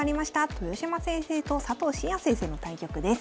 豊島先生と佐藤紳哉先生の対局です。